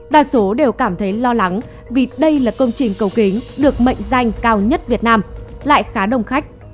đa số đều cảm thấy lo lắng vì đây là công trình cầu kính được mệnh danh cao nhất việt nam lại khá đông khách